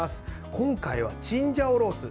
今回はチンジャオロースー。